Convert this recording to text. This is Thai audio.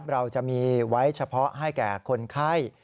เราจะมีไว้เฉพาะให้แก่คนไข้